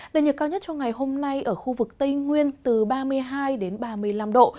nền nhiệt cao nhất cho ngày hôm nay ở khu vực tây nguyên từ ba mươi hai đến ba mươi năm độ